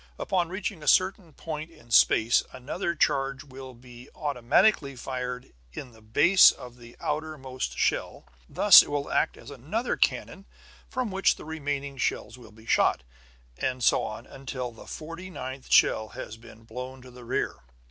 Upon reaching a certain point in space another charge will be automatically fired in the base of the outermost shell. Thus it will act as another cannon, from which the remaining shells will be shot. And so on, until the forty ninth shell has been blown to the rear.